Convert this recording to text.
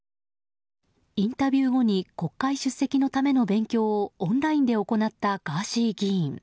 インタビュー後に国会出席のための勉強をオンラインで行ったガーシー議員。